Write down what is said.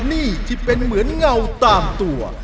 นี่ที่เป็นเหมือนเงาตามตัว